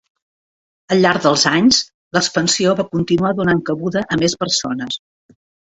Al llarg dels anys, l'expansió va continuar donant cabuda a més persones.